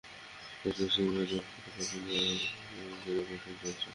Radio signal jam করতে পারব না, ঐ এলাকায় আমার মিলিটারি অপারেশন চলছে।